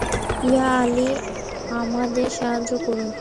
ইয়া আলী, আমাদের সাহায্য করুন।